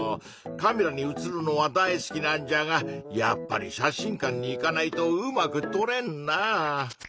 カメラにうつるのは大好きなんじゃがやっぱり写真館に行かないとうまくとれんなぁ。